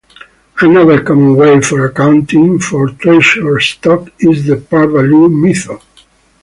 Another common way for accounting for treasury stock is the par value method.